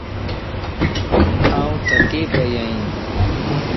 آن ٿڪي پئي ائين